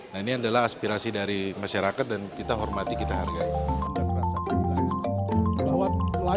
nah ini adalah aspirasi dari masyarakat dan kita hormati kita hargai